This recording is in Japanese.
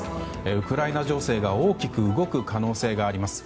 ウクライナ情勢が大きく動く可能性があります。